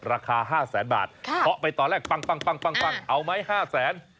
ราคาห้าแสนบาทค่ะเขาไปต่อแรกปังปังปังปังปังเอาไหมห้าแสน